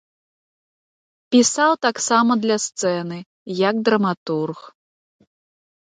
Пісаў таксама для сцэны, як драматург.